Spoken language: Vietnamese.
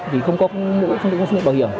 vì không có mũ không có suy nghĩ bảo hiểm